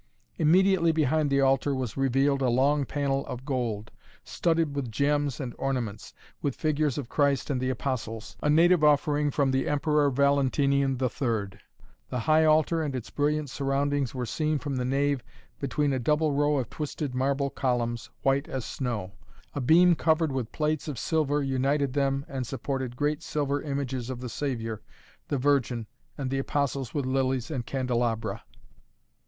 Immediately behind the altar was revealed a long panel of gold, studded with gems and ornaments, with figures of Christ and the Apostles, a native offering from the Emperor Valentinian III. The high altar and its brilliant surroundings were seen from the nave between a double row of twisted marble columns, white as snow. A beam covered with plates of silver united them and supported great silver images of the Saviour, the Virgin and the Apostles with lilies and candelabra.